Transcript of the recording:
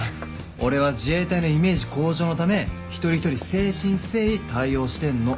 俺は自衛隊のイメージ向上のため一人一人誠心誠意対応してんの。